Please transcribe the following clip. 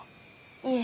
いえ。